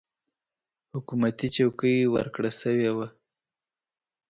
حکومتي چوکۍ ورکړه شوې وه.